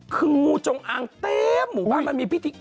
คืองูจงอางเต็มหมู่บ้านมันมีพิธี